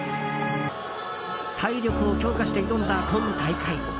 体力を強化して挑んだ今大会。